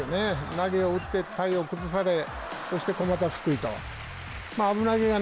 投げを打って体を崩され、そして小股すくいと。